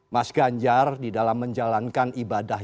mas ganjar di dalam menjalankan ibadah